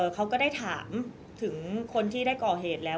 เขาก็ได้ถามถึงคนที่ได้ก่อเหตุแล้ว